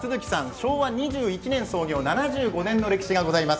昭和２１年創業７５年の歴史がございます。